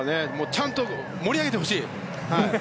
ちゃんと盛り上げてほしい。